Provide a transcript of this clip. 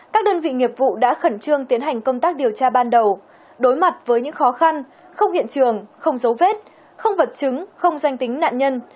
các đơn vị nghiệp vụ đã khẩn trương tiến hành công tác điều tra ban đầu đối mặt với những khó khăn không hiện trường không dấu vết không vật chứng không danh tính nạn nhân